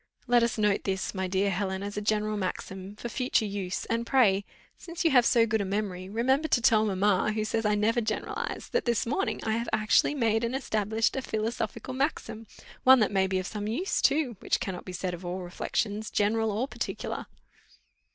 Let us note this, my dear Helen, as a general maxim, for future use, and pray, since you have so good a memory, remember to tell mamma, who says I never generalise, that this morning I have actually made and established a philosophical maxim, one that may be of some use too, which cannot be said of all reflections, general or particular."